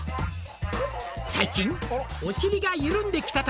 「最近お尻が緩んできたため」